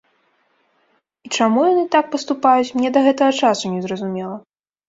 І чаму яны так паступаюць, мне да гэтага часу не зразумела.